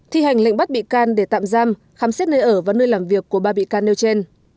thi hành lệnh bắt bị can để tạm giam khám xét nơi ở và nơi làm việc của ba bị can nêu trên